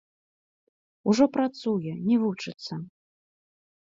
Ужо працуе, не вучыцца.